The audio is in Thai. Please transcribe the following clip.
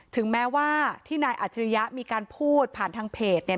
ถึงแม้ว่าที่นายอัจฉริยะมีการพูดผ่านทางเพจเนี่ย